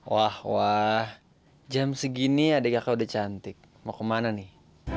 wah wah jam segini adek kakak udah cantik mau kemana nih